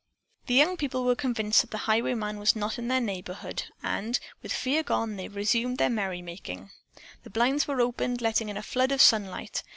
The young people were convinced that the highwayman was not in their neighborhood, and, with fear gone, they resumed their merrymaking. The blinds were opened, letting in a flood of sunlight.